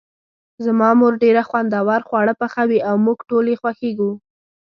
زما مور ډیر خوندور خواړه پخوي او موږ ټول یی خوښیږو